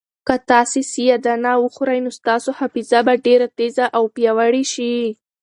که تاسي سیاه دانه وخورئ نو ستاسو حافظه به ډېره تېزه او پیاوړې شي.